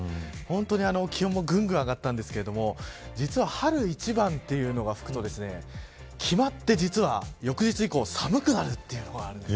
本当に気温もぐんぐん上がったんですけれども実は春一番というのが吹くと決まって実は翌日以降、寒くなる。